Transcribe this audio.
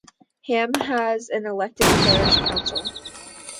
Ham has an elected parish council.